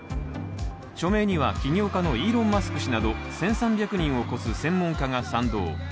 署名には、起業家のイーロン・マスク氏など１３００人を超す専門家が賛同。